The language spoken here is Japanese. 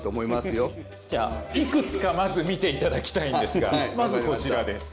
じゃあいくつかまず見て頂きたいんですがまずこちらです。